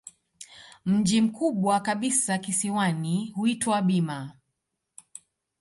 Mji mkubwa kabisa kisiwani huitwa Bima.